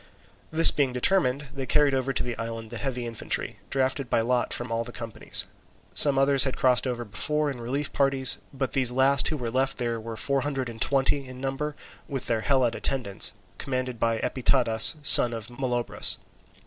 This being determined, they carried over to the island the heavy infantry, drafted by lot from all the companies. Some others had crossed over before in relief parties, but these last who were left there were four hundred and twenty in number, with their Helot attendants, commanded by Epitadas, son of Molobrus.